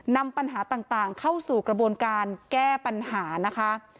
นำปัญหาต่างเข้าสู่กระบวนการแก้ปัญหานะคะ